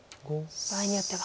場合によっては。